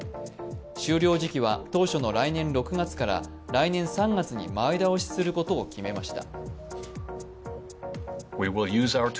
終了時期は当初の来年６月から来年３月に前倒しすることを決めました